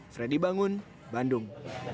freddy bangun bandung